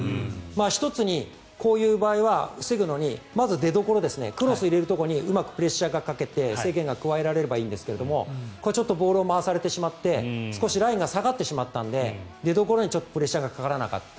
１つにこういう場合は防ぐのにまず出どころクロスを入れるところにうまくプレッシャーをかけて制限が加えられればいいんですがちょっとボールを回されてしまって少しラインが下がってしまったので出どころにプレッシャーがかからなかった。